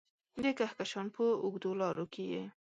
د کهکشان په اوږدو لارو کې یې